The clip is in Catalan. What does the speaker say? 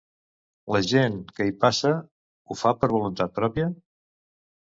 La gent que hi passa ho fa per voluntat pròpia?